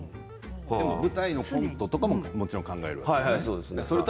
舞台のコントとかももちろん考える。